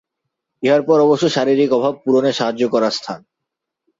ইহার পর অবশ্য শারীরিক অভাব পূরণে সাহায্য করার স্থান।